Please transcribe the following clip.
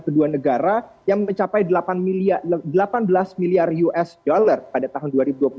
kedua negara yang mencapai delapan belas miliar usd pada tahun dua ribu dua puluh satu